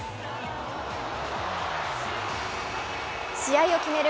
試合を決める